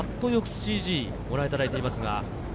ＣＧをご覧いただいています。